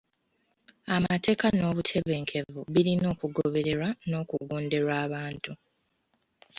Amateeka n'obutebenkevu birina okugobererwa n'okugonderwa abantu.